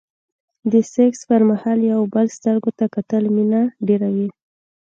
د سکس پر مهال د يو بل سترګو ته کتل مينه ډېروي.